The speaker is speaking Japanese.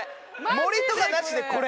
盛りとかなしでこれ。